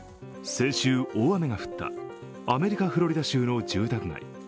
先週、大雨が降ったアメリカ・フロリダ州の住宅街。